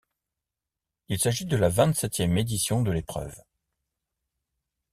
Il s'agit de la vingt-septième édition de l'épreuve.